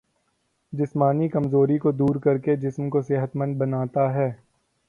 جسمانی کمزوری کو دور کرکے جسم کو صحت مند بناتا ہے